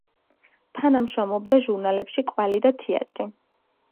თანამშრომლობდა ჟურნალებში „კვალი“ და „თეატრი“.